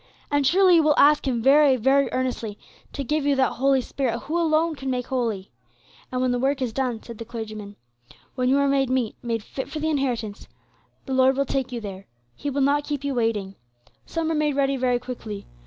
And surely you will ask Him very, very earnestly, to give you that Holy Spirit who alone can make you holy. And when the work is done," said the clergyman, "when you are made meet, made fit for the inheritance, the Lord will take you there. He will not keep you waiting. Some are made ready very quickly.